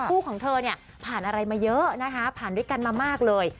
ของเธอเนี่ยผ่านอะไรมาเยอะนะคะผ่านด้วยกันมามากเลย